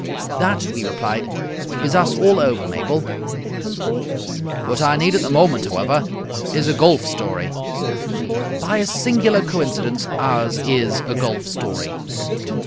"That," we replied, "is us all over, Mabel." "What I need at the moment, however, is a golf story." "By a singular coincidence, ours is a golf story."